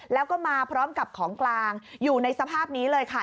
แล้วก็มาพร้อมกับของกลางอยู่ในสภาพนี้เลยค่ะ